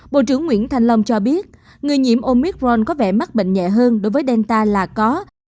bộ trưởng nguyễn thành long cho biết người nhiễm omicron có vẻ mắc bệnh nhẹ hơn đối với delta là có